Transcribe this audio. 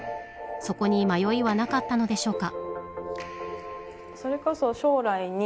そこに迷いはなかったのでしょうか。